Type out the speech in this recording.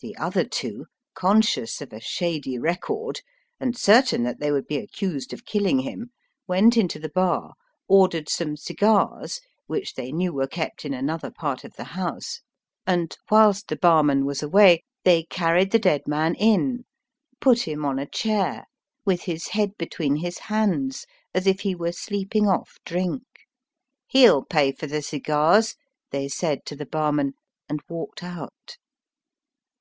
The other two, conscious of a shady record, and certain that they would be accused of killing him, went into the bar, ordered some cigars, which they knew were kept in another part of the house, and whilst the barman was away, they carried the dead man in, put him on a chair, with Digitized by VjOOQIC 64 EAST BY WEST. his head between his hands, as if he were sleeping oflf drink. ''He'll pay for the cigars," they said to the barman, and walked out.